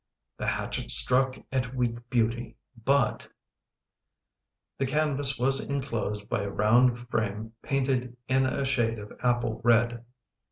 " The hatchet struck at weak beauty, but —" The canvas was enclosed by a round frame painted in a shade of apple red.